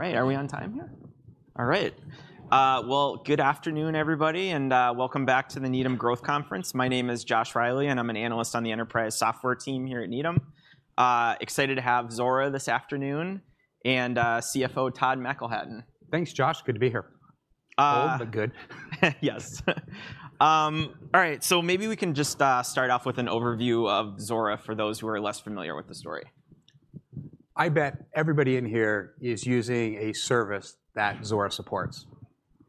Right, are we on time here? All right. Well, good afternoon, everybody, and welcome back to the Needham Growth Conference. My name is Joshua Reilly, and I'm an analyst on the enterprise software team here at Needham. Excited to have Zuora this afternoon, and CFO Todd McElhatton. Thanks, Josh. Good to be here. Uh- Old, but good. Yes. All right, so maybe we can just start off with an overview of Zuora for those who are less familiar with the story. I bet everybody in here is using a service that Zuora supports.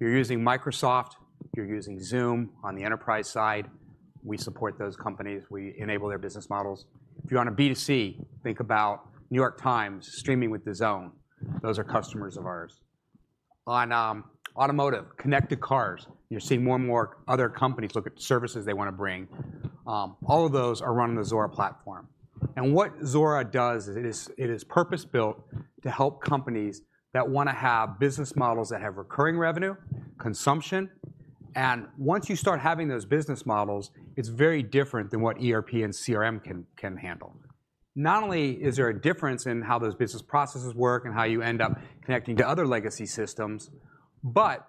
You're using Microsoft, you're using Zoom on the enterprise side. We support those companies. We enable their business models. If you're on a B2C, think about New York Times streaming with DAZN. Those are customers of ours. On automotive, connected cars, you're seeing more and more other companies look at services they want to bring. All of those are run on the Zuora Platform. And what Zuora does is it is purpose-built to help companies that want to have business models that have recurring revenue, consumption, and once you start having those business models, it's very different than what ERP and CRM can handle. Not only is there a difference in how those business processes work and how you end up connecting to other legacy systems, but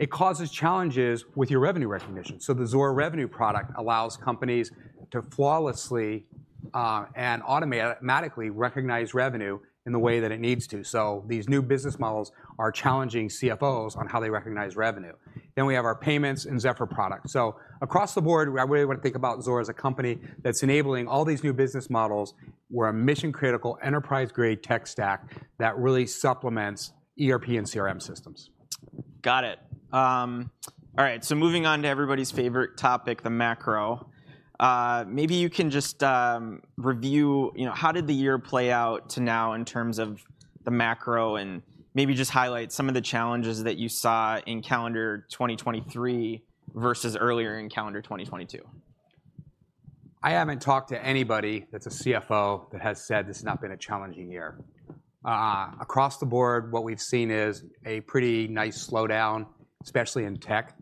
it causes challenges with your revenue recognition. So the Zuora Revenue product allows companies to flawlessly and automatically recognize revenue in the way that it needs to. So these new business models are challenging CFOs on how they recognize revenue. Then we have our payments and Zephr product. So across the board, we, I really want to think about Zuora as a company that's enabling all these new business models. We're a mission-critical, enterprise-grade tech stack that really supplements ERP and CRM systems. Got it. All right, so moving on to everybody's favorite topic, the macro. Maybe you can just review, you know, how did the year play out to now in terms of the macro, and maybe just highlight some of the challenges that you saw in calendar 2023 versus earlier in calendar 2022. I haven't talked to anybody that's a CFO that has said this has not been a challenging year. Across the board, what we've seen is a pretty nice slowdown, especially in tech.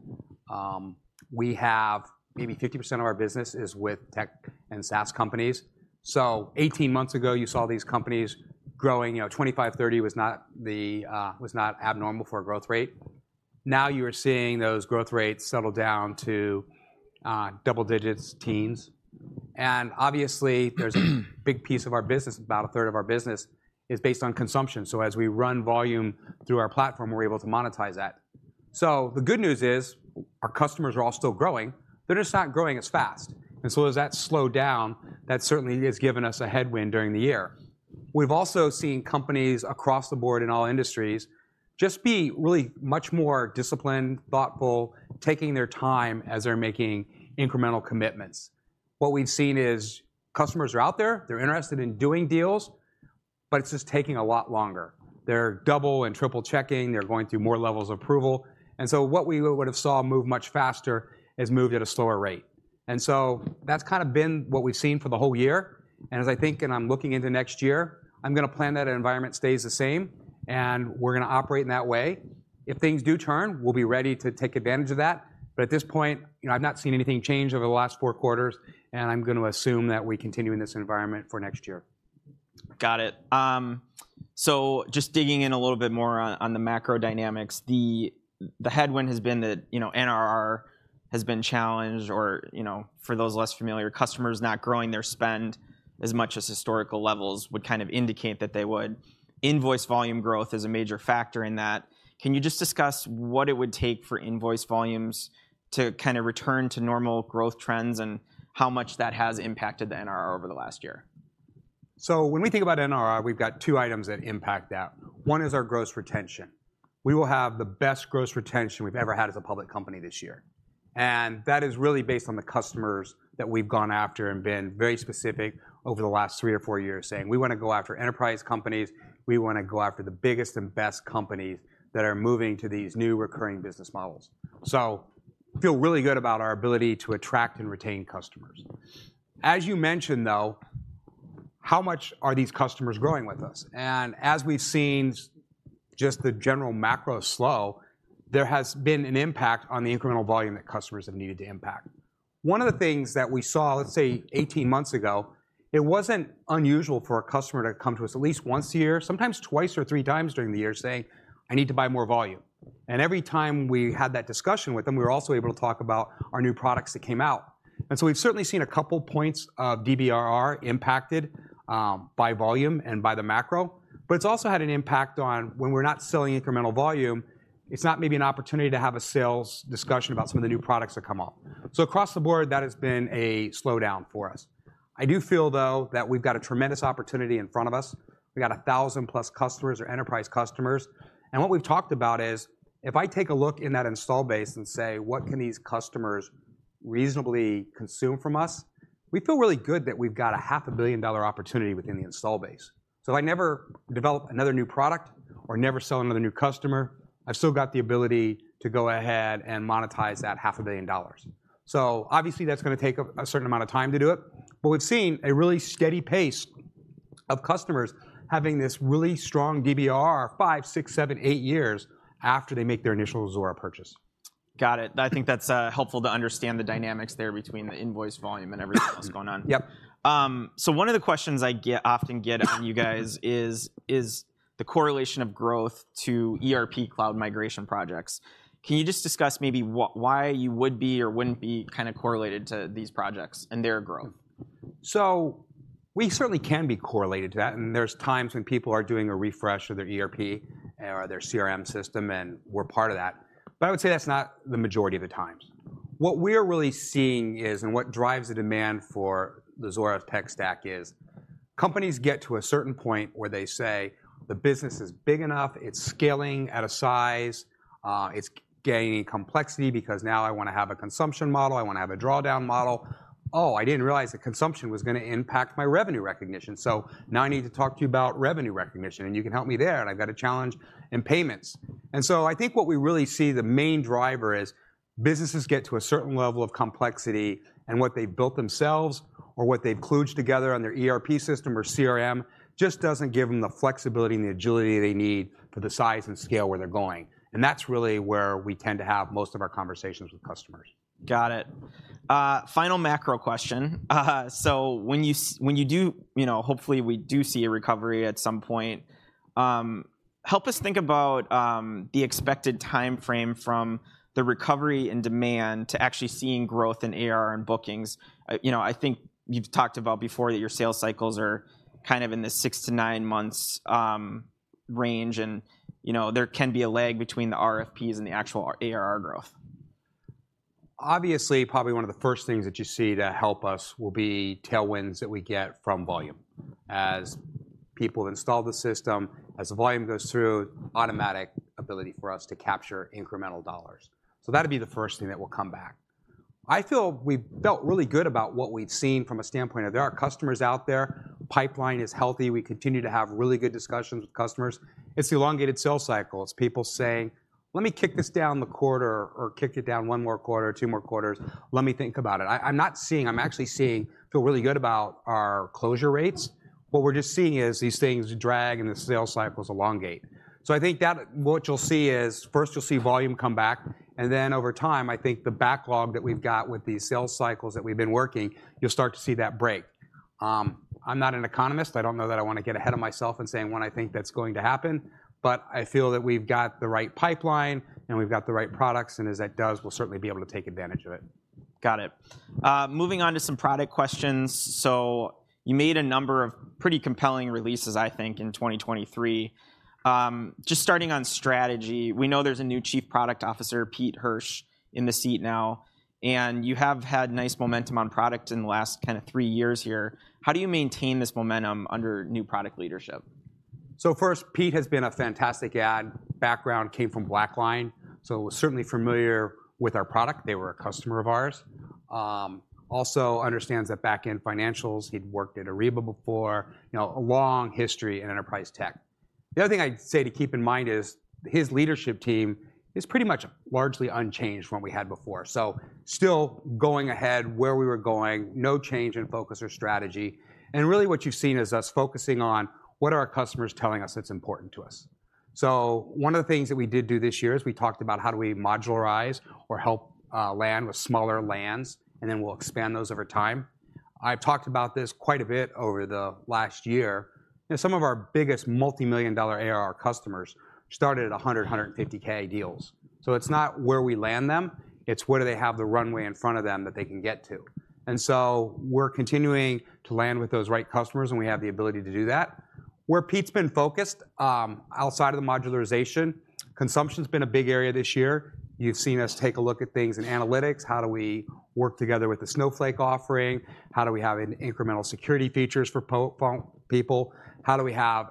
We have maybe 50% of our business with tech and SaaS companies. So 18 months ago, you saw these companies growing, you know, 25%, 30% was not the, was not abnormal for a growth rate. Now, you are seeing those growth rates settle down to double digits, teens. And obviously, there's a big piece of our business, about a third of our business is based on consumption. So as we run volume through our platform, we're able to monetize that. So the good news is, our customers are all still growing. They're just not growing as fast. And so as that slowed down, that certainly has given us a headwind during the year. We've also seen companies across the board in all industries just be really much more disciplined, thoughtful, taking their time as they're making incremental commitments. What we've seen is customers are out there, they're interested in doing deals, but it's just taking a lot longer. They're double and triple-checking, they're going through more levels of approval. And so what we would have saw move much faster has moved at a slower rate. And so that's kind of been what we've seen for the whole year. And as I think, and I'm looking into next year, I'm going to plan that environment stays the same, and we're going to operate in that way. If things do turn, we'll be ready to take advantage of that. At this point, you know, I've not seen anything change over the last four quarters, and I'm going to assume that we continue in this environment for next year. Got it. So just digging in a little bit more on the macro dynamics, the headwind has been that, you know, NRR has been challenged or, you know, for those less familiar customers not growing their spend as much as historical levels would kind of indicate that they would. Invoice volume growth is a major factor in that. Can you just discuss what it would take for invoice volumes to kind of return to normal growth trends and how much that has impacted the NRR over the last year? So when we think about NRR, we've got two items that impact that. One is our gross retention. We will have the best gross retention we've ever had as a public company this year. And that is really based on the customers that we've gone after and been very specific over the last three or four years, saying, "We want to go after enterprise companies. We want to go after the biggest and best companies that are moving to these new recurring business models." So feel really good about our ability to attract and retain customers. As you mentioned, though, how much are these customers growing with us? And as we've seen just the general macro slow, there has been an impact on the incremental volume that customers have needed to impact. One of the things that we saw, let's say, 18 months ago, it wasn't unusual for a customer to come to us at least once a year, sometimes twice or three times during the year, saying, "I need to buy more volume." And every time we had that discussion with them, we were also able to talk about our new products that came out. And so we've certainly seen a couple points of DBRR impacted by volume and by the macro, but it's also had an impact on when we're not selling incremental volume, it's not maybe an opportunity to have a sales discussion about some of the new products that come up. So across the board, that has been a slowdown for us. I do feel, though, that we've got a tremendous opportunity in front of us. We got 1,000+ customers or enterprise customers, and what we've talked about is, if I take a look in that install base and say: What can these customers reasonably consume from us? We feel really good that we've got a $500 million opportunity within the install base. So if I never develop another new product or never sell another new customer, I've still got the ability to go ahead and monetize that $500 million. So obviously, that's going to take a certain amount of time to do it, but we've seen a really steady pace of customers having this really strong DBRR, five, six, seven, eight years after they make their initial Zuora purchase. Got it. I think that's helpful to understand the dynamics there between the invoice volume and everything else going on. Yep. So, one of the questions I get, often get from you guys is, is the correlation of growth to ERP cloud migration projects. Can you just discuss maybe why you would be or wouldn't be kind of correlated to these projects and their growth? So we certainly can be correlated to that, and there's times when people are doing a refresh of their ERP or their CRM system, and we're part of that. But I would say that's not the majority of the times. What we're really seeing is, and what drives the demand for the Zuora tech stack is, companies get to a certain point where they say, the business is big enough, it's scaling at a size, it's gaining complexity, because now I want to have a consumption model, I want to have a drawdown model. Oh, I didn't realize that consumption was going to impact my revenue recognition. So now I need to talk to you about revenue recognition, and you can help me there, and I've got a challenge in payments. And so I think what we really see the main driver is, businesses get to a certain level of complexity, and what they've built themselves or what they've kludged together on their ERP system or CRM, just doesn't give them the flexibility and the agility they need for the size and scale where they're going. That's really where we tend to have most of our conversations with customers. Got it. Final macro question. So when you do you know, hopefully, we do see a recovery at some point, help us think about the expected time frame from the recovery and demand to actually seeing growth in ARR and bookings. You know, I think you've talked about before, that your sales cycles are kind of in the six-nine months range, and, you know, there can be a lag between the RFPs and the actual ARR growth. Obviously, probably one of the first things that you see that help us will be tailwinds that we get from volume. As people install the system, as the volume goes through, automatic ability for us to capture incremental dollars. So that'd be the first thing that will come back. I feel we've felt really good about what we've seen from a standpoint of there are customers out there, the pipeline is healthy, we continue to have really good discussions with customers. It's the elongated sales cycles. People say, "Let me kick this down the quarter or kick it down one more quarter or two more quarters. Let me think about it." I'm actually seeing. Feel really good about our closure rates. What we're just seeing is these things drag and the sales cycles elongate. So I think that what you'll see is, first, you'll see volume come back, and then over time, I think the backlog that we've got with these sales cycles that we've been working, you'll start to see that break. I'm not an economist. I don't know that I want to get ahead of myself in saying when I think that's going to happen, but I feel that we've got the right pipeline and we've got the right products, and as that does, we'll certainly be able to take advantage of it. Got it. Moving on to some product questions. So you made a number of pretty compelling releases, I think, in 2023. Just starting on strategy, we know there's a new Chief Product Officer, Pete Hirsch, in the seat now, and you have had nice momentum on product in the last kind of three years here. How do you maintain this momentum under new product leadership? So first, Pete has been a fantastic add. Background, came from BlackLine, so certainly familiar with our product. They were a customer of ours. Also understands the back-end financials. He'd worked at Ariba before, you know, a long history in enterprise tech. The other thing I'd say to keep in mind is, his leadership team is pretty much largely unchanged from what we had before. So still going ahead where we were going, no change in focus or strategy. And really, what you've seen is us focusing on, what are our customers telling us that's important to us? So one of the things that we did do this year is we talked about how do we modularize or help land with smaller lands, and then we'll expand those over time. I've talked about this quite a bit over the last year, and some of our biggest multi-million-dollar ARR customers started at $100,000-$150,000 deals. So it's not where we land them, it's where do they have the runway in front of them that they can get to. And so we're continuing to land with those right customers, and we have the ability to do that. Where Pete's been focused, outside of the modularization, consumption's been a big area this year. You've seen us take a look at things in analytics. How do we work together with the Snowflake offering? How do we have incremental security features for people? How do we have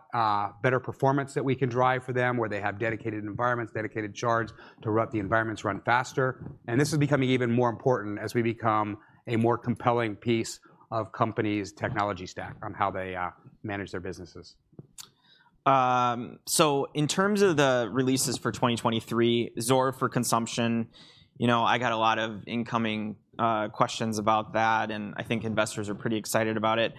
better performance that we can drive for them, where they have dedicated environments, dedicated charts to let the environments run faster? This is becoming even more important as we become a more compelling piece of companies' technology stack on how they manage their businesses. So in terms of the releases for 2023, Zuora for Consumption, you know, I got a lot of incoming questions about that, and I think investors are pretty excited about it.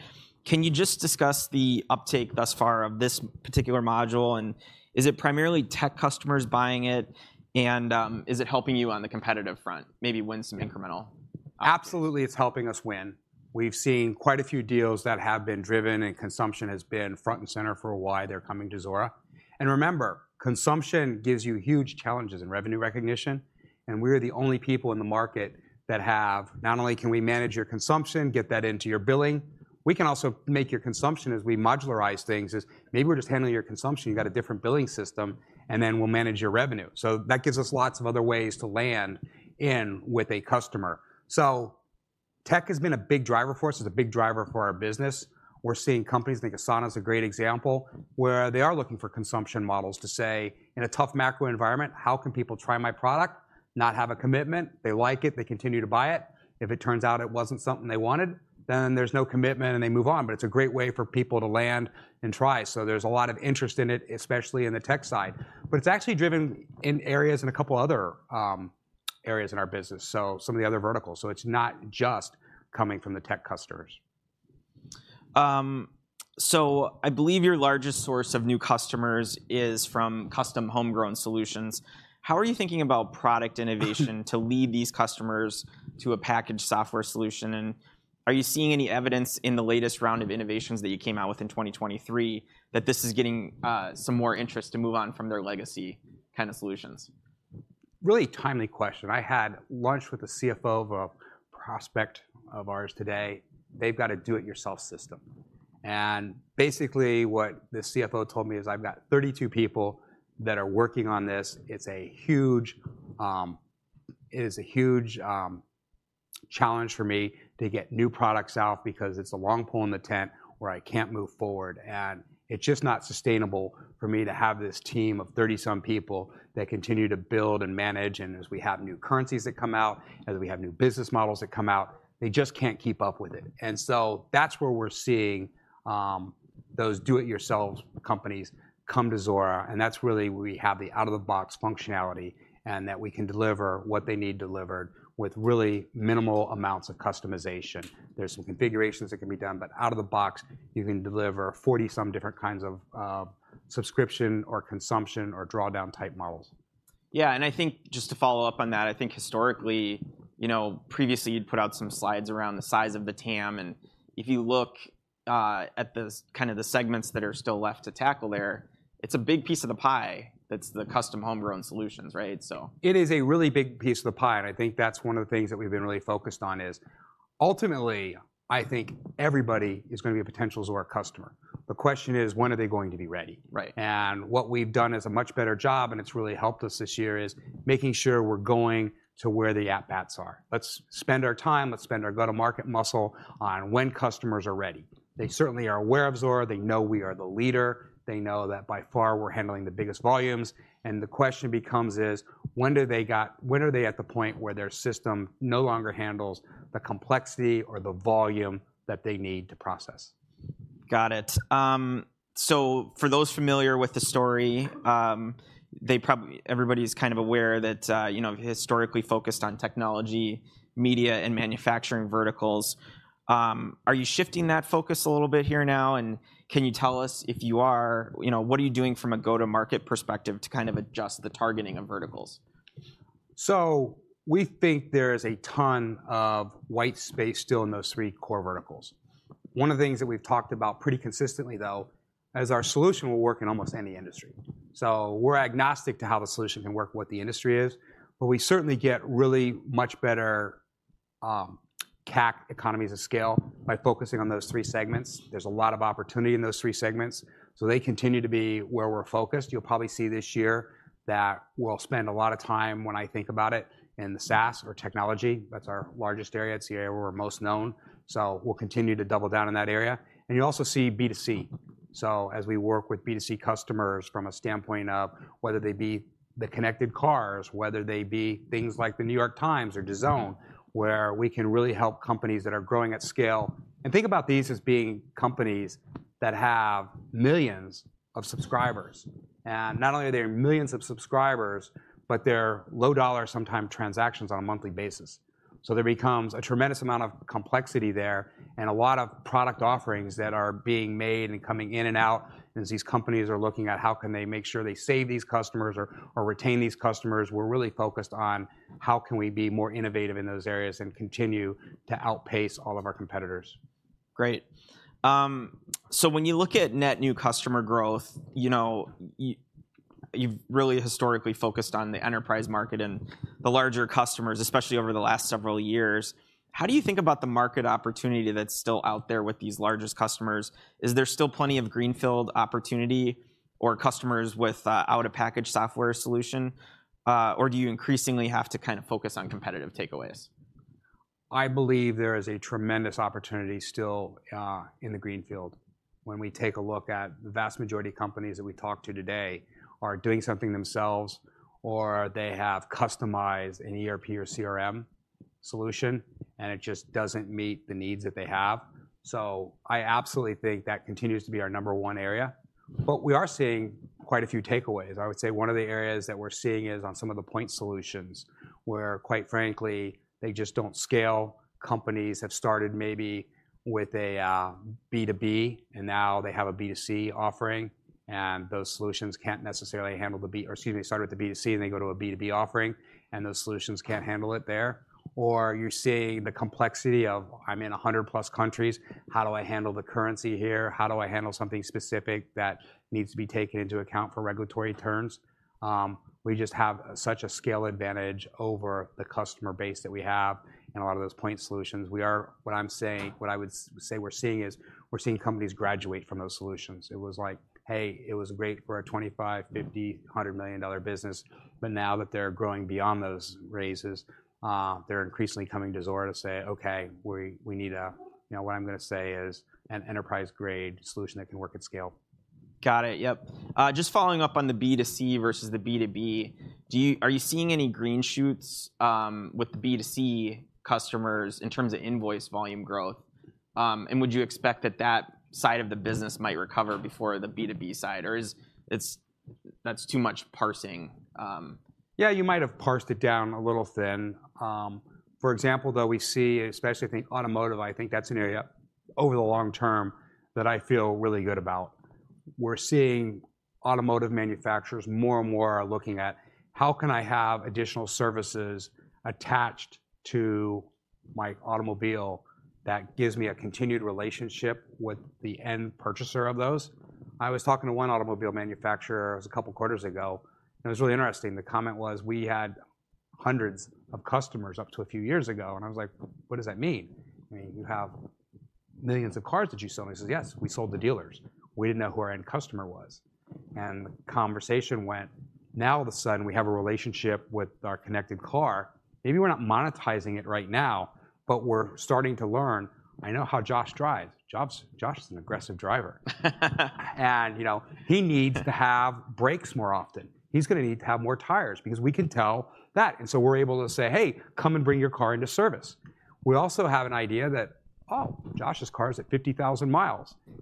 Can you just discuss the uptake thus far of this particular module, and is it primarily tech customers buying it, and is it helping you on the competitive front, maybe win some incremental? Absolutely, it's helping us win. We've seen quite a few deals that have been driven, and consumption has been front and center for why they're coming to Zuora. And remember, consumption gives you huge challenges in revenue recognition, and we're the only people in the market that have... Not only can we manage your consumption, get that into your billing, we can also make your consumption as we modularize things, as maybe we're just handling your consumption, you've got a different billing system, and then we'll manage your revenue. So that gives us lots of other ways to land in with a customer. So tech has been a big driver for us. It's a big driver for our business. We're seeing companies, I think Asana is a great example, where they are looking for consumption models to say, in a tough macro environment, how can people try my product, not have a commitment, they like it, they continue to buy it? If it turns out it wasn't something they wanted, then there's no commitment, and they move on. But it's a great way for people to land and try. So there's a lot of interest in it, especially in the tech side. But it's actually driven in areas, in a couple other areas in our business, so some of the other verticals. So it's not just coming from the tech customers.... so I believe your largest source of new customers is from custom homegrown solutions. How are you thinking about product innovation to lead these customers to a packaged software solution? And are you seeing any evidence in the latest round of innovations that you came out with in 2023, that this is getting some more interest to move on from their legacy kind of solutions? Really timely question. I had lunch with the CFO of a prospect of ours today. They've got a do-it-yourself system, and basically what the CFO told me is, "I've got 32 people that are working on this. It's a huge challenge for me to get new products out, because it's a long pole in the tent where I can't move forward. And it's just not sustainable for me to have this team of 30-some people that continue to build and manage." And as we have new currencies that come out, as we have new business models that come out, they just can't keep up with it. And so that's where we're seeing, those do-it-yourself companies come to Zuora, and that's really we have the out-of-the-box functionality, and that we can deliver what they need delivered with really minimal amounts of customization. There's some configurations that can be done, but out of the box, you can deliver 40-some different kinds of subscription, or consumption, or drawdown-type models. Yeah, and I think just to follow up on that, I think historically, you know, previously you'd put out some slides around the size of the TAM, and if you look at the kind of the segments that are still left to tackle there, it's a big piece of the pie that's the custom homegrown solutions, right? So- It is a really big piece of the pie, and I think that's one of the things that we've been really focused on: ultimately, I think everybody is going to be a potential Zuora customer. The question is: When are they going to be ready? Right. What we've done is a much better job, and it's really helped us this year, is making sure we're going to where the at-bats are. Let's spend our time, let's spend our go-to-market muscle on when customers are ready. They certainly are aware of Zuora. They know we are the leader. They know that by far we're handling the biggest volumes, and the question becomes is: When are they at the point where their system no longer handles the complexity or the volume that they need to process? Got it. So for those familiar with the story, they probably, everybody's kind of aware that, you know, historically focused on technology, media, and manufacturing verticals. Are you shifting that focus a little bit here now? Can you tell us if you are, you know, what are you doing from a go-to-market perspective to kind of adjust the targeting of verticals? So we think there is a ton of white space still in those three core verticals. One of the things that we've talked about pretty consistently, though, is our solution will work in almost any industry. So we're agnostic to how the solution can work, what the industry is, but we certainly get really much better CAC economies of scale by focusing on those three segments. There's a lot of opportunity in those three segments, so they continue to be where we're focused. You'll probably see this year that we'll spend a lot of time, when I think about it, in the SaaS or technology. That's our largest area. It's where we're most known, so we'll continue to double down in that area. And you also see B2C. So as we work with B2C customers from a standpoint of whether they be the connected cars, whether they be things like the New York Times or DAZN, where we can really help companies that are growing at scale. And think about these as being companies that have millions of subscribers, and not only are there millions of subscribers, but they're low-dollar, sometimes transactions on a monthly basis. So there becomes a tremendous amount of complexity there and a lot of product offerings that are being made and coming in and out as these companies are looking at how can they make sure they save these customers or, or retain these customers. We're really focused on how can we be more innovative in those areas and continue to outpace all of our competitors. Great. So when you look at net new customer growth, you know, you've really historically focused on the enterprise market and the larger customers, especially over the last several years. How do you think about the market opportunity that's still out there with these largest customers? Is there still plenty of greenfield opportunity or customers with out-of-package software solution, or do you increasingly have to kind of focus on competitive takeaways? I believe there is a tremendous opportunity still in the greenfield. When we take a look at the vast majority of companies that we talked to today are doing something themselves, or they have customized an ERP or CRM solution, and it just doesn't meet the needs that they have. So I absolutely think that continues to be our number one area, but we are seeing quite a few takeaways. I would say one of the areas that we're seeing is on some of the point solutions, where, quite frankly, they just don't scale. Companies have started maybe with a B2B, and now they have a B2C offering, and those solutions can't necessarily handle the. Or excuse me, they start with the B2C, and they go to a B2B offering, and those solutions can't handle it there. Or you're seeing the complexity of, "I'm in 100+ countries. How do I handle the currency here? How do I handle something specific that needs to be taken into account for regulatory terms?" We just have such a scale advantage over the customer base that we have and a lot of those point solutions. What I'm saying, what I would say we're seeing is, we're seeing companies graduate from those solutions. It was like, "Hey, it was great for our $25 million, $50 million, $100 million business." But now that they're growing beyond those raises, they're increasingly coming to Zuora to say, "Okay, we, we need a..." You know, what I'm going to say is an enterprise-grade solution that can work at scale. Got it. Yep. Just following up on the B2C versus the B2B, are you seeing any green shoots with the B2C customers in terms of invoice volume growth? And would you expect that that side of the business might recover before the B2B side, or is that too much parsing? Yeah, you might have parsed it down a little thin. For example, though, we see, especially I think automotive, I think that's an area over the long term that I feel really good about. We're seeing automotive manufacturers more and more are looking at, "How can I have additional services attached to my automobile that gives me a continued relationship with the end purchaser of those?" I was talking to one automobile manufacturer, it was a couple quarters ago, and it was really interesting. The comment was, "We had hundreds of customers up to a few years ago," and I was like, "What does that mean? I mean, you have millions of cars that you sold." He says, "Yes, we sold to dealers. We didn't know who our end customer was." And the conversation went, "Now all of a sudden we have a relationship with our connected car. Maybe we're not monetizing it right now, but we're starting to learn, I know how Josh drives. Josh, Josh is an aggressive driver. And, you know, he needs to have brakes more often. He's gonna need to have more tires, because we can tell that. And so we're able to say, "Hey, come and bring your car into service." We also have an idea that, oh, Josh's car is at 50,000 mi.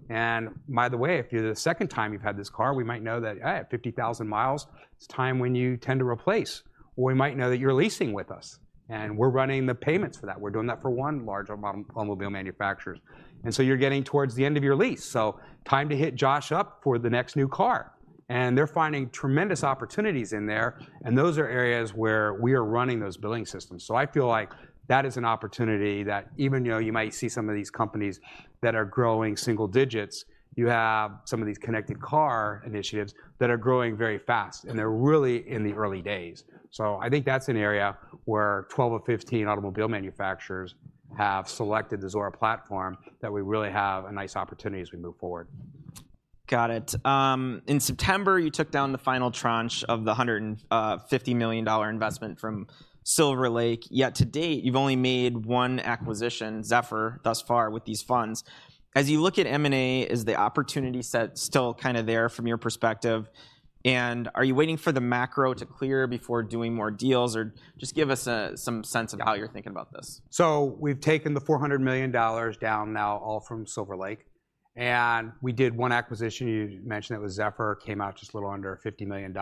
And by the way, if you're the second time you've had this car, we might know that, eh, at 50,000 mi, it's time when you tend to replace, or we might know that you're leasing with us, and we're running the payments for that. We're doing that for one large automobile manufacturer. And so you're getting towards the end of your lease, so time to hit Josh up for the next new car." They're finding tremendous opportunities in there, and those are areas where we are running those billing systems. I feel like that is an opportunity that even though you might see some of these companies that are growing single digits, you have some of these connected car initiatives that are growing very fast, and they're really in the early days. I think that's an area where 12 or 15 automobile manufacturers have selected the Zuora Platform, that we really have a nice opportunity as we move forward. Got it. In September, you took down the final tranche of the $150 million investment from Silver Lake, yet to date, you've only made one acquisition, Zephr, thus far with these funds. As you look at M&A, is the opportunity set still kind of there from your perspective? And are you waiting for the macro to clear before doing more deals? Or just give us some sense of how you're thinking about this. So we've taken the $400 million down now, all from Silver Lake, and we did one acquisition, you mentioned it was Zephr, came out just a little under $50 million.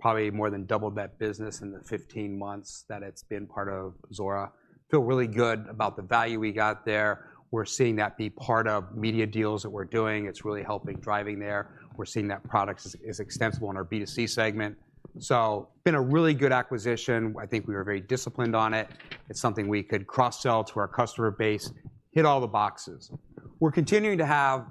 Probably more than doubled that business in the 15 months that it's been part of Zuora. Feel really good about the value we got there. We're seeing that be part of media deals that we're doing. It's really helping driving there. We're seeing that product is extensible in our B2C segment. So been a really good acquisition. I think we were very disciplined on it. It's something we could cross-sell to our customer base, hit all the boxes. We're continuing to have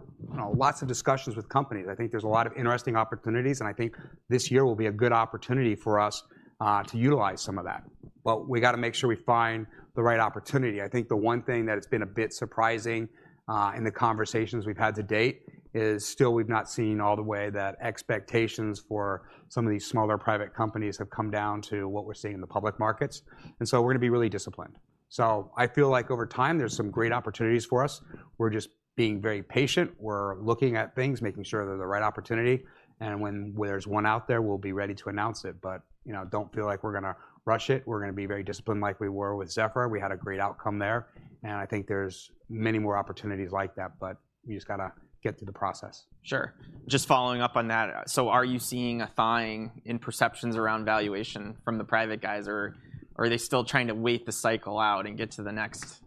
lots of discussions with companies. I think there's a lot of interesting opportunities, and I think this year will be a good opportunity for us to utilize some of that. But we gotta make sure we find the right opportunity. I think the one thing that has been a bit surprising, in the conversations we've had to date is still we've not seen all the way that expectations for some of these smaller private companies have come down to what we're seeing in the public markets, and so we're gonna be really disciplined. So I feel like over time, there's some great opportunities for us. We're just being very patient. We're looking at things, making sure they're the right opportunity, and when there's one out there, we'll be ready to announce it. But, you know, don't feel like we're gonna rush it. We're gonna be very disciplined like we were with Zephr. We had a great outcome there, and I think there's many more opportunities like that, but we just gotta get through the process. Sure. Just following up on that, so are you seeing a thawing in perceptions around valuation from the private guys, or, or are they still trying to wait the cycle out and get to the next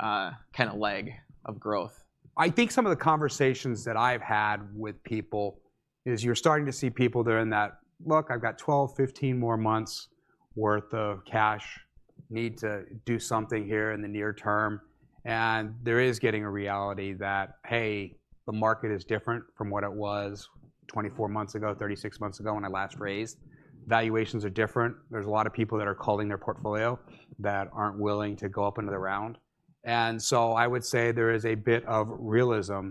kind of leg of growth? I think some of the conversations that I've had with people is, you're starting to see people that are in that, "Look, I've got 12, 15 more months worth of cash. Need to do something here in the near term." And there is getting a reality that, hey, the market is different from what it was 24 months ago, 36 months ago when I last raised. Valuations are different. There's a lot of people that are culling their portfolio, that aren't willing to go up into the round. And so I would say there is a bit of realism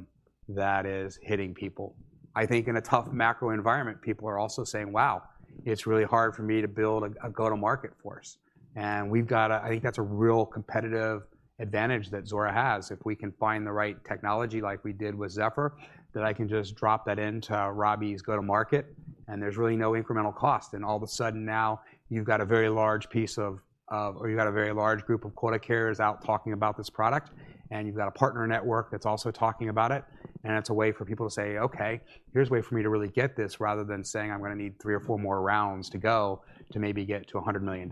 that is hitting people. I think in a tough macro environment, people are also saying, "Wow, it's really hard for me to build a, a go-to-market force." And we've got a—I think that's a real competitive advantage that Zuora has. If we can find the right technology like we did with Zephr, then I can just drop that into Robbie's go-to-market, and there's really no incremental cost. And all of a sudden now, you've got a very large piece of, or you've got a very large group of quota carriers out talking about this product, and you've got a partner network that's also talking about it. And it's a way for people to say, "Okay, here's a way for me to really get this," rather than saying, "I'm gonna need three or four more rounds to go to maybe get to $100 million.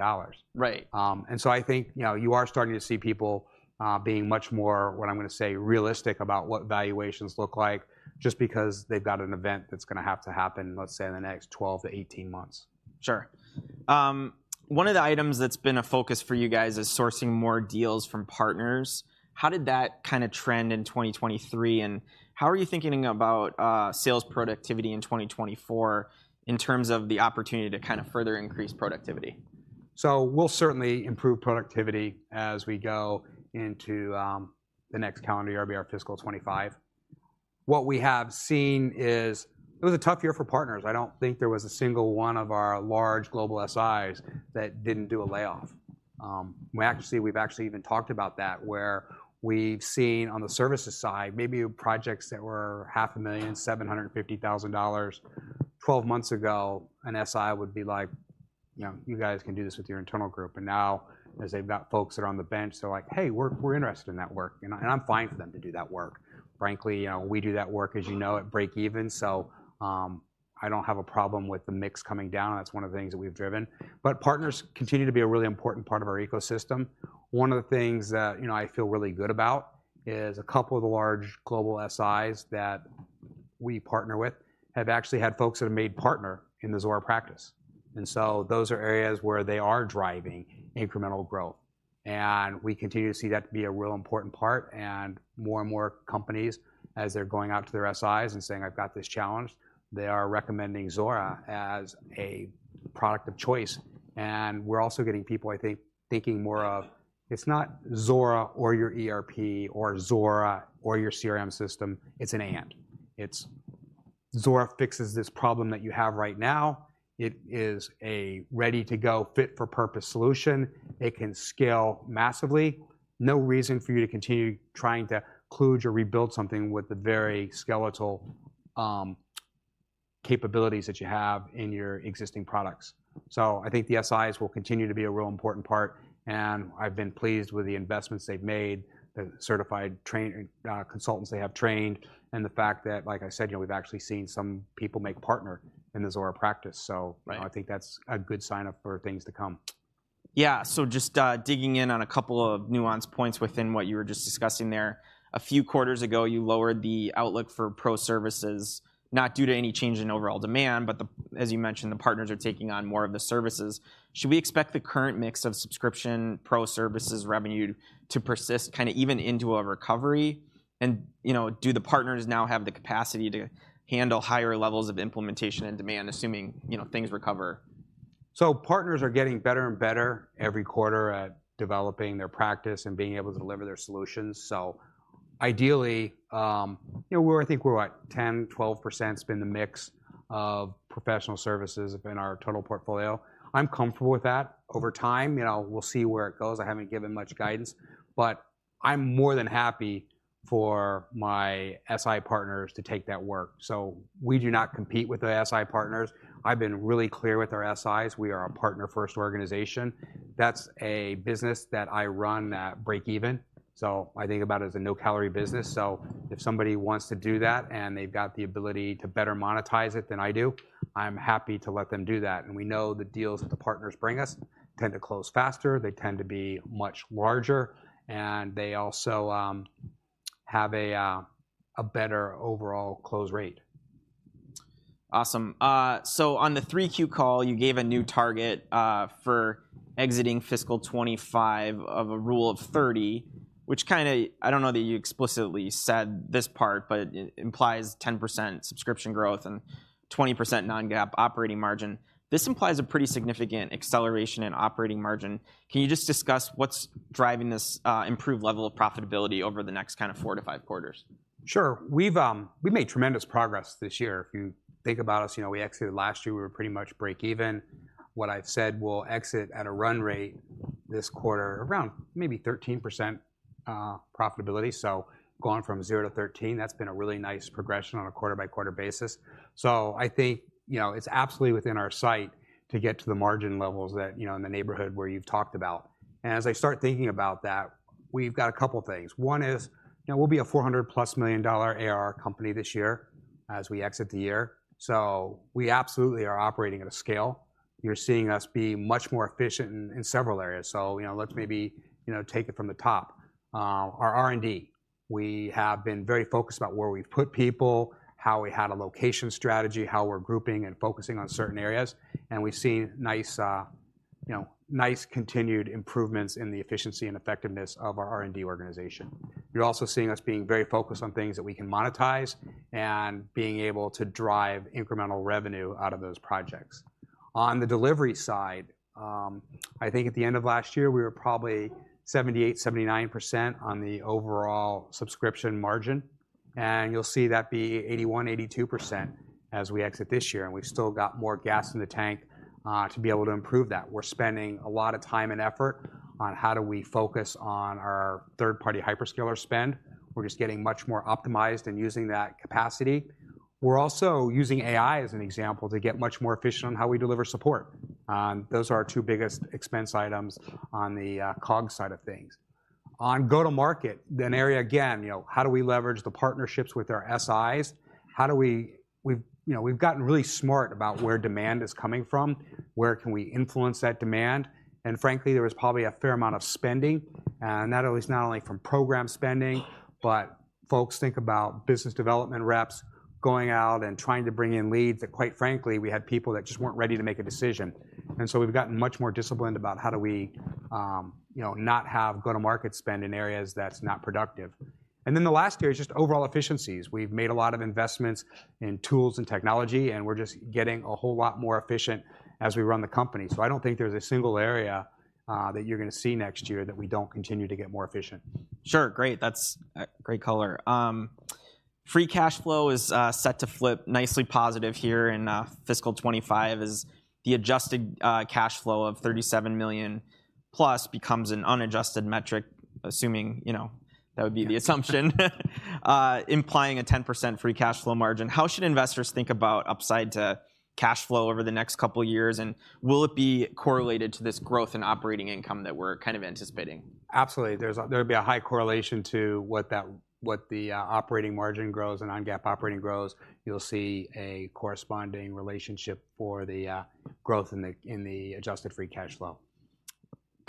Right. And so I think, you know, you are starting to see people being much more, what I'm gonna say, realistic about what valuations look like, just because they've got an event that's gonna have to happen, let's say, in the next 12-18 months. Sure. One of the items that's been a focus for you guys is sourcing more deals from partners. How did that kind of trend in 2023, and how are you thinking about sales productivity in 2024 in terms of the opportunity to kind of further increase productivity? So we'll certainly improve productivity as we go into the next calendar year, which will be our fiscal 2025. What we have seen is it was a tough year for partners. I don't think there was a single one of our large global SIs that didn't do a layoff. We actually, we've actually even talked about that, where we've seen on the services side, maybe projects that were $500,000, $750,000. 12 months ago, an SI would be like, "You know, you guys can do this with your internal group." And now, as they've got folks that are on the bench, they're like, "Hey, we're interested in that work." And I'm fine for them to do that work. Frankly, you know, we do that work, as you know, at breakeven, so, I don't have a problem with the mix coming down. That's one of the things that we've driven. But partners continue to be a really important part of our ecosystem. One of the things that, you know, I feel really good about is a couple of the large global SIs that we partner with have actually had folks that have made partner in the Zuora practice. And so those are areas where they are driving incremental growth, and we continue to see that be a real important part. And more and more companies, as they're going out to their SIs and saying, "I've got this challenge," they are recommending Zuora as a product of choice. We're also getting people, I think, thinking more of, it's not Zuora or your ERP or Zuora or your CRM system, it's an and. It's Zuora fixes this problem that you have right now. It is a ready-to-go, fit-for-purpose solution. It can scale massively. No reason for you to continue trying to kludge or rebuild something with the very skeletal capabilities that you have in your existing products. So I think the SIs will continue to be a real important part, and I've been pleased with the investments they've made, the certified training, consultants they have trained, and the fact that, like I said, you know, we've actually seen some people make partner in the Zuora practice. So- Right. I think that's a good sign up for things to come. Yeah. So just digging in on a couple of nuanced points within what you were just discussing there. A few quarters ago, you lowered the outlook for pro services, not due to any change in overall demand, but, as you mentioned, the partners are taking on more of the services. Should we expect the current mix of subscription pro services revenue to persist, kinda even into a recovery? And, you know, do the partners now have the capacity to handle higher levels of implementation and demand, assuming, you know, things recover? So partners are getting better and better every quarter at developing their practice and being able to deliver their solutions. So ideally, you know, I think we're what? 10, 12% has been the mix of professional services in our total portfolio. I'm comfortable with that. Over time, you know, we'll see where it goes. I haven't given much guidance, but I'm more than happy for my SI partners to take that work. So we do not compete with the SI partners. I've been really clear with our SIs. We are a partner-first organization. That's a business that I run at breakeven, so I think about it as a no-calorie business. So if somebody wants to do that, and they've got the ability to better monetize it than I do, I'm happy to let them do that. We know the deals that the partners bring us tend to close faster, they tend to be much larger, and they also have a better overall close rate. Awesome. So on the 3Q call, you gave a new target for exiting fiscal 2025 of a Rule of 30, which kinda, I don't know that you explicitly said this part, but it, it implies 10% subscription growth and 20% non-GAAP operating margin. This implies a pretty significant acceleration in operating margin. Can you just discuss what's driving this improved level of profitability over the next kind of four-five quarters? Sure. We've, we've made tremendous progress this year. If you think about us, you know, we exited last year, we were pretty much breakeven. What I've said, we'll exit at a run rate this quarter around maybe 13% profitability. So going from zero to 13, that's been a really nice progression on a quarter-by-quarter basis. So I think, you know, it's absolutely within our sight to get to the margin levels that, you know, in the neighborhood where you've talked about. And as I start thinking about that, we've got a couple of things. One is, you know, we'll be a $400+ million ARR company this year as we exit the year. So we absolutely are operating at a scale. You're seeing us be much more efficient in several areas. So, you know, let's maybe, you know, take it from the top. Our R&D, we have been very focused about where we've put people, how we had a location strategy, how we're grouping and focusing on certain areas, and we've seen nice, you know, nice continued improvements in the efficiency and effectiveness of our R&D organization. You're also seeing us being very focused on things that we can monetize and being able to drive incremental revenue out of those projects. On the delivery side, I think at the end of last year, we were probably 78%-79% on the overall subscription margin, and you'll see that be 81%-82% as we exit this year, and we've still got more gas in the tank, to be able to improve that. We're spending a lot of time and effort on how do we focus on our third-party hyperscaler spend. We're just getting much more optimized in using that capacity. We're also using AI as an example to get much more efficient on how we deliver support. Those are our two biggest expense items on the COGS side of things. On go-to-market, then area again, you know, how do we leverage the partnerships with our SIs? How do we? We've, you know, we've gotten really smart about where demand is coming from. Where can we influence that demand? And frankly, there was probably a fair amount of spending, not always, not only from program spending, but folks think about business development reps going out and trying to bring in leads that, quite frankly, we had people that just weren't ready to make a decision. And so we've gotten much more disciplined about how do we, you know, not have go-to-market spend in areas that's not productive. Then the last area is just overall efficiencies. We've made a lot of investments in tools and technology, and we're just getting a whole lot more efficient as we run the company. I don't think there's a single area, that you're gonna see next year that we don't continue to get more efficient. Sure, great. That's great color. Free cash flow is set to flip nicely positive here in fiscal 2025 as the adjusted cash flow of $37 million plus becomes an unadjusted metric... assuming, you know, that would be the assumption, implying a 10% free cash flow margin. How should investors think about upside to cash flow over the next couple of years? And will it be correlated to this growth in operating income that we're kind of anticipating? Absolutely. There would be a high correlation to what the operating margin grows and on GAAP operating grows. You'll see a corresponding relationship for the growth in the adjusted free cash flow.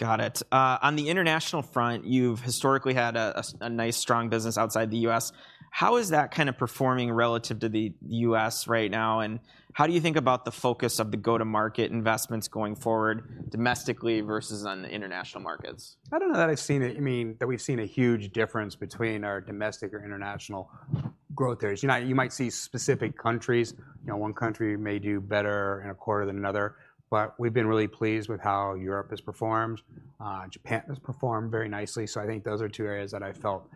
Got it. On the international front, you've historically had a nice strong business outside the U.S. How is that kind of performing relative to the U.S. right now, and how do you think about the focus of the go-to-market investments going forward domestically versus on the international markets? I don't know that I've seen it, you mean, that we've seen a huge difference between our domestic or international growth areas. You know, you might see specific countries, you know, one country may do better in a quarter than another, but we've been really pleased with how Europe has performed. Japan has performed very nicely, so I think those are two areas that I felt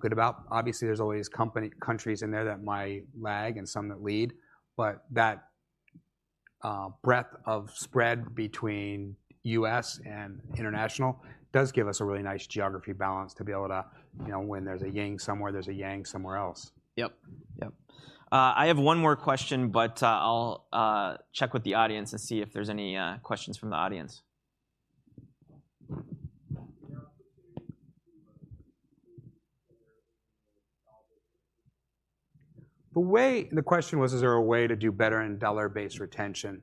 good about. Obviously, there's always countries in there that might lag and some that lead, but that breadth of spread between U.S. and international does give us a really nice geography balance to be able to, you know, when there's a yin somewhere, there's a yang somewhere else. Yep. Yep. I have one more question, but I'll check with the audience and see if there's any questions from the audience. Is there opportunity to, The question was, is there a way to do better in dollar-based retention?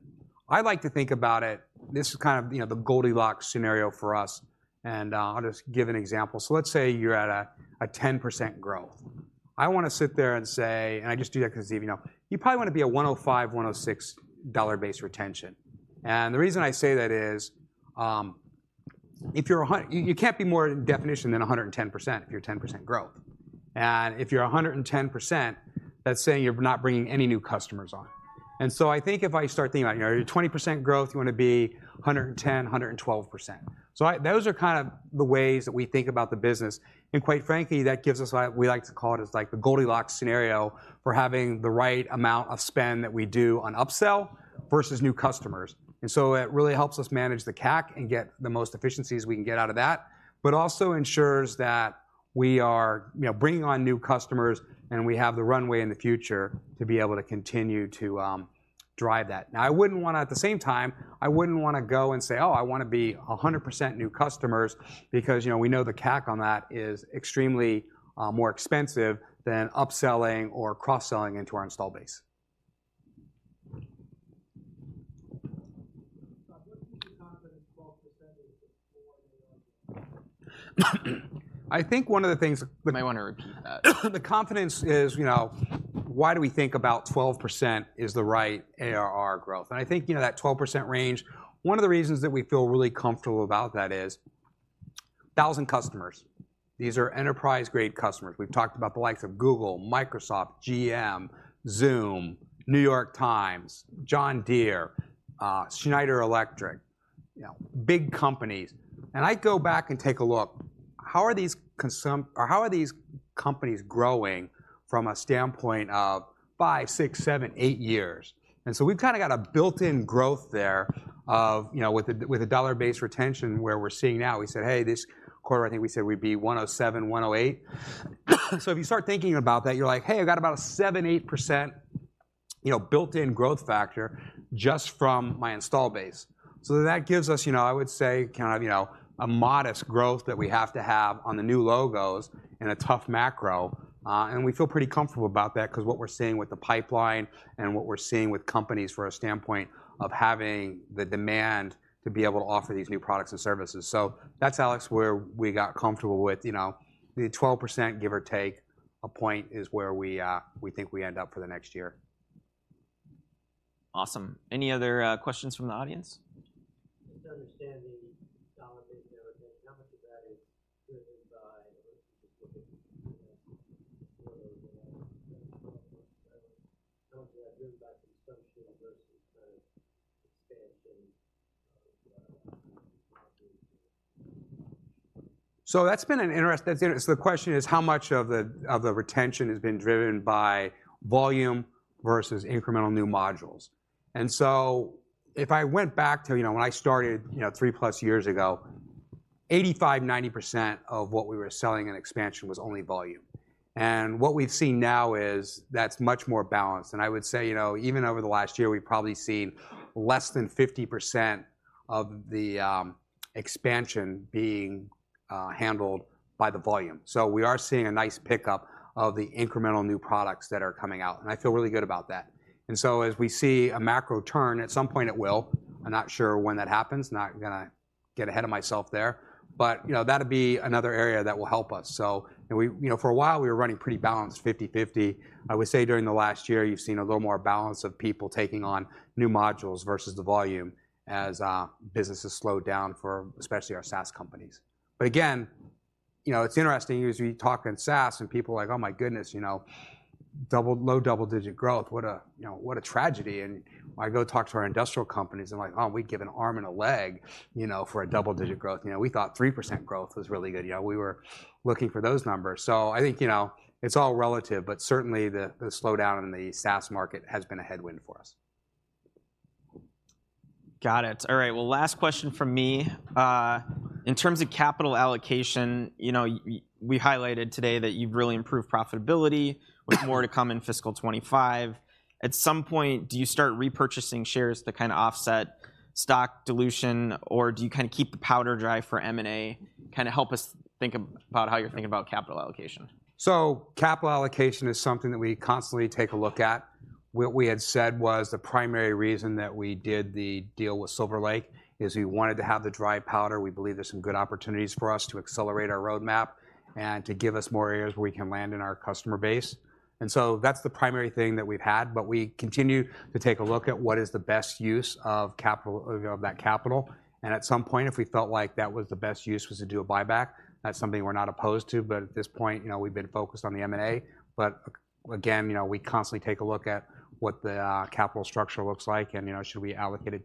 I like to think about it... This is kind of, you know, the Goldilocks scenario for us, and, I'll just give an example. So let's say you're at a 10% growth. I wanna sit there and say, and I just do that because, you know, you probably want to be a 105, 106 dollar-based retention. And the reason I say that is, if you're a 110% if you're 10% growth. And if you're a 110%, that's saying you're not bringing any new customers on. And so I think if I start thinking about, you know, your 20% growth, you wanna be 110%-112%. So those are kind of the ways that we think about the business, and quite frankly, that gives us what we like to call it, as like the Goldilocks scenario for having the right amount of spend that we do on upsell versus new customers. And so it really helps us manage the CAC and get the most efficiencies we can get out of that, but also ensures that we are, you know, bringing on new customers and we have the runway in the future to be able to continue to drive that. Now, I wouldn't want to. At the same time, I wouldn't wanna go and say, "Oh, I wanna be 100% new customers," because, you know, we know the CAC on that is extremely more expensive than upselling or cross-selling into our install base. So, what's the confidence 12% is before the... I think one of the things- You might want to repeat that. The confidence is, you know, why do we think about 12% is the right ARR growth? And I think, you know, that 12% range, one of the reasons that we feel really comfortable about that is, 1,000 customers. These are enterprise-grade customers. We've talked about the likes of Google, Microsoft, GM, Zoom, New York Times, John Deere, Schneider Electric, you know, big companies. And I go back and take a look, how are these companies growing from a standpoint of 5, 6, 7, 8 years? And so we've kind of got a built-in growth there of, you know, with the, with the dollar-based retention where we're seeing now. We said, "Hey, this quarter," I think we said, "we'd be 107-108." So if you start thinking about that, you're like: Hey, I've got about a 7-8%, you know, built-in growth factor just from my install base. So that gives us, you know, I would say, kind of, you know, a modest growth that we have to have on the new logos in a tough macro. And we feel pretty comfortable about that, 'cause what we're seeing with the pipeline and what we're seeing with companies from a standpoint of having the demand to be able to offer these new products and services. So that's, Alex, where we got comfortable with, you know, the 12%, give or take. A point is where we, we think we end up for the next year. Awesome. Any other questions from the audience? Just to understand the Dollar-Based Retention, how much of that is driven by...? How much of that driven by consumption versus expansion? So the question is, how much of the retention has been driven by volume versus incremental new modules? And so if I went back to, you know, when I started, you know, 3+ years ago, 85%-90% of what we were selling in expansion was only volume. And what we've seen now is that's much more balanced. And I would say, you know, even over the last year, we've probably seen less than 50% of the expansion being handled by the volume. So we are seeing a nice pickup of the incremental new products that are coming out, and I feel really good about that. As we see a macro turn, at some point it will, I'm not sure when that happens, not gonna get ahead of myself there, but, you know, that'd be another area that will help us. So, and we, you know, for a while, we were running pretty balanced, 50/50. I would say during the last year, you've seen a little more balance of people taking on new modules versus the volume as businesses slowed down for especially our SaaS companies. But again, you know, it's interesting as we talk in SaaS, and people are like: "Oh my goodness, you know, low double-digit growth, what a, you know, what a tragedy!" And I go talk to our industrial companies, and like, "Oh, we'd give an arm and a leg, you know, for a double-digit growth. You know, we thought 3% growth was really good. Yeah, we were looking for those numbers." So I think, you know, it's all relative, but certainly the slowdown in the SaaS market has been a headwind for us. Got it. All right, well, last question from me. In terms of capital allocation, you know, we highlighted today that you've really improved profitability with more to come in fiscal 25. At some point, do you start repurchasing shares to kind of offset stock dilution, or do you kind of keep the powder dry for M&A? Kind of help us think about how you're thinking about capital allocation. Capital allocation is something that we constantly take a look at. What we had said was, the primary reason that we did the deal with Silver Lake is we wanted to have the dry powder. We believe there are some good opportunities for us to accelerate our roadmap and to give us more areas where we can land in our customer base. And so that's the primary thing that we've had, but we continue to take a look at what is the best use of capital, of, you know, that capital. And at some point, if we felt like that was the best use, was to do a buyback, that's something we're not opposed to. But at this point, you know, we've been focused on the M&A. But again, you know, we constantly take a look at what the capital structure looks like and, you know, should we allocate it to-